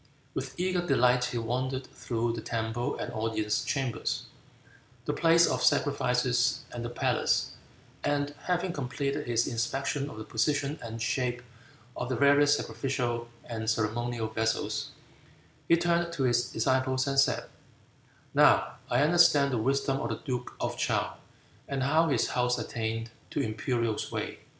With eager delight he wandered through the temple and audience chambers, the place of sacrifices and the palace, and having completed his inspection of the position and shape of the various sacrificial and ceremonial vessels, he turned to his disciples and said, "Now I understand the wisdom of the duke of Chow, and how his house attained to imperial sway."